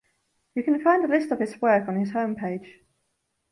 You can find a list of his work on his homepage.